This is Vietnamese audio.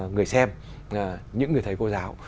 người xem những người thầy cô giáo